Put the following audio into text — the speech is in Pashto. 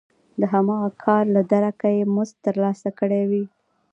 د هماغه کار له درکه یې مزد ترلاسه کړی وي